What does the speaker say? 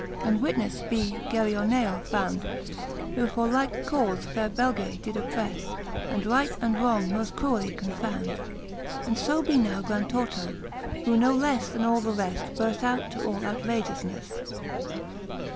And witnefle be Gerioneo found, Who for like cauie faire Beige did opprefle. And right and wrong moft cruelly confound : And fo be now Grantorto, , who no lefle Then all the reft burft out to all outragioufneffe.